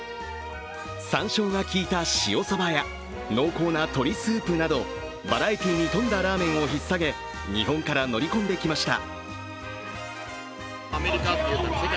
さんしょうがきいた塩そばや濃厚な鶏スープなどバラエティーに富んだラーメンをひっ提げ、日本から乗り込んできました。